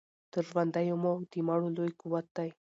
تر ژوندیو مو د مړو لوی قوت دی